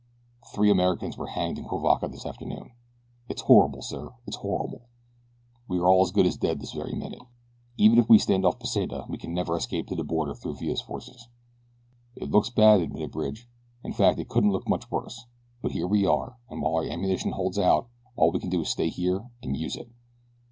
Three Americans were hanged in Cuivaca this afternoon. It's horrible, sir! It's horrible! We are as good as dead this very minute. Even if we stand off Pesita we can never escape to the border through Villa's forces." "It looks bad," admitted Bridge. "In fact it couldn't look much worse; but here we are, and while our ammunition holds out about all we can do is stay here and use it.